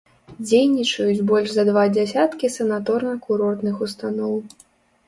Дзейнічаюць больш за два дзесяткі санаторна-курортных устаноў.